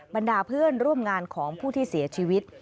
บรรดาเพื่อนร่วมงานของผู้ที่เสียชีวิต